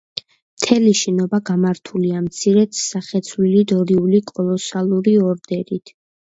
მთელი შენობა გამართულია მცირედ სახეცვლილი დორიული კოლოსალური ორდერით.